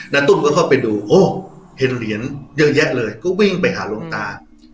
ตุ้มก็เข้าไปดูโอ้เห็นเหรียญเยอะแยะเลยก็วิ่งไปหาหลวงตา